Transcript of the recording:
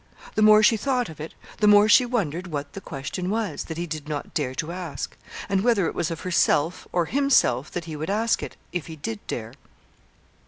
The more she thought of it, the more she wondered what the question was, that he did not dare to ask; and whether it was of herself or himself that he would ask it if he did dare.